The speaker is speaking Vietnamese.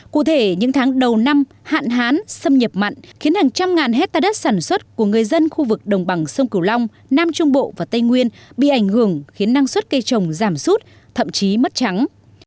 cụ thể những tháng đầu năm hạn hán xâm nhập mặn khiến hàng trăm ngàn hectare đất sản xuất của người dân khu vực đồng bằng sông cửu long nam trung bộ và tây nguyên bị ảnh hưởng khiến năng suất cây trồng giảm sút thậm chí mất trắng